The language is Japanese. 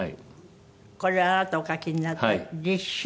これはあなたがお書きになった「立春」。